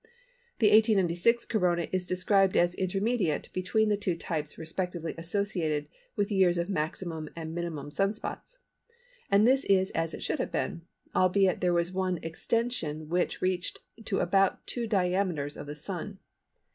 The 1896 Corona is described as intermediate between the two Types respectively associated with years of maximum and minimum Sun spots, and this is as it should have been, albeit there was one extension which reached to about two diameters of the Sun.